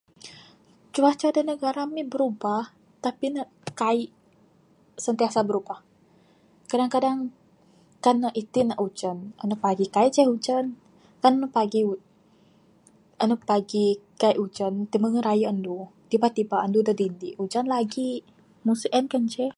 Cuaca da negara ami birubah tapi ne kaik sentiasa berubah. Kadang kadang kan itin ne ujan, anu pagi kaik ce ujan. Kan ne pagi u..., anu pagi kaik ujan, timangeh raye anu, tiba tiba andu da dindi, ujan lagi, meng sien kanceh .